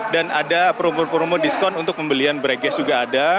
dan ada promo promo diskon untuk pembelian brekes juga ada